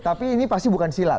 tapi ini pasti bukan sila